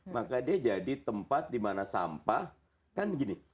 maka dia jadi tempat di mana sampah kan gini